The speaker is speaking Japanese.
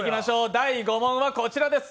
第５問はこちらです。